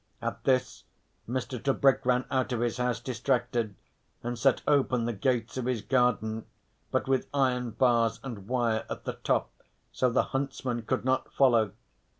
At this Mr. Tebrick ran out of his house distracted and set open the gates of his garden, but with iron bars and wire at the top so the huntsmen could not follow.